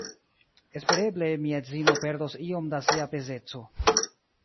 Espereble, mia edzino perdos iom da sia pezeco